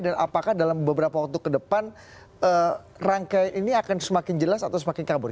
dan apakah dalam beberapa waktu ke depan rangkaian ini akan semakin jelas atau semakin kabur